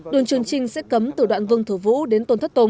đường trường trinh sẽ cấm từ đoạn vương thừa vũ đến tôn thất tùng